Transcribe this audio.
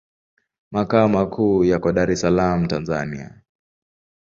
Makao makuu yako Dar es Salaam, Tanzania.